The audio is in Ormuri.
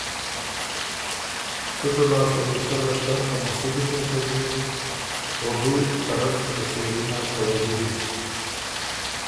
څُټه لاسته ل يې سۀ لشکر ته مسُودی پېڅه بیوک او بی ته رټ مِݭېري نر ته وزیری۔